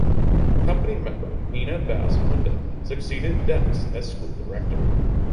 Company member Nina Bass Munda succeeded Dennis as school director.